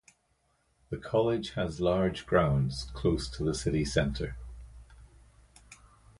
The college has large grounds, close to the city centre.